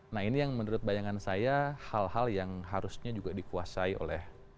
nah ini yang menurut bayangan saya hal hal yang harusnya juga dikuasai oleh